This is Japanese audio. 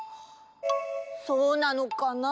そうなのかな？